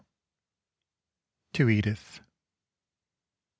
To Edith.